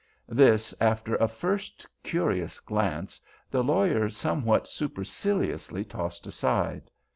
This, after a first curious glance, the lawyer somewhat superciliously tossed aside.